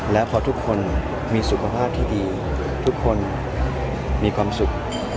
แล้วพอทุกคนมีสุขภาพที่ดีทุกคนมีความสุข